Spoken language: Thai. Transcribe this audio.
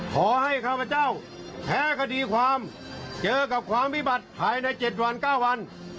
แท้คดีความเจอกับความวิบัติหายในเจ็ดวันเก้าวัน